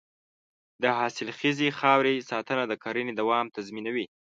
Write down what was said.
د حاصلخیزې خاورې ساتنه د کرنې دوام تضمینوي.